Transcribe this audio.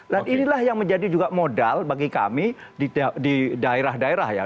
dan inilah yang menjadi juga modal bagi kami di daerah daerah ya